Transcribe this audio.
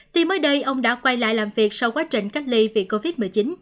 tuy mới đây ông đã quay lại làm việc sau quá trình cách ly vì covid một mươi chín